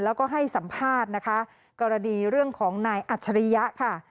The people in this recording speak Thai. แล้วก็ให้สัมภาษณ์นะคะกรณีเรื่องของนายอัจฉริยะค่ะ